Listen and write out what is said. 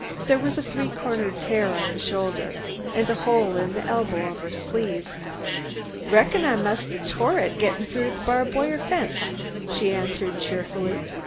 There was a three cornered tear on the shoulder and a hole in the elbow of her sleeve. "Reckon I must have toah it gettin' through a bobwiah fence," she answered, cheerfully.